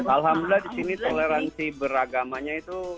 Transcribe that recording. alhamdulillah disini toleransi beragamanya itu